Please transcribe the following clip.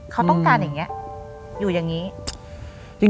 เขาต้องการอย่างนี้อยู่อย่างนี้